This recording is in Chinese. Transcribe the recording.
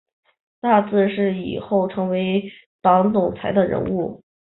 大字是以后成为党总裁的人物